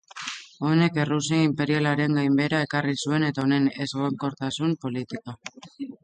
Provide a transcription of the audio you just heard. Honek, Errusia inperialaren gainbehera ekarri zuen, eta honen ezegonkortasun politikoa.